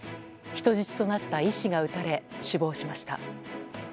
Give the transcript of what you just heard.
人質となった医師が撃たれ死亡しました。